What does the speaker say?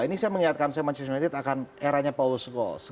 ini saya mengingatkan manchester united akan eranya paul scholes